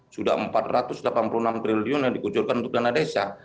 sudah empat ratus delapan puluh enam triliun yang dikucurkan untuk dana desa